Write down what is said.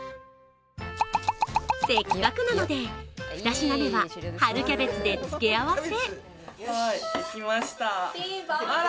せっかくなので、２品目は春キャベツで付け合わせ。